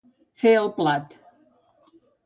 Fer el plat.